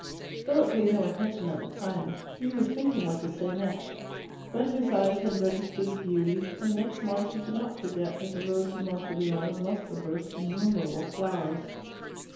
Philip paid no attention at the time: he was thinking what to say next. But his eyes had registered the beauty, and next March he did not forget that the road to Monteriano must traverse innumerable flowers.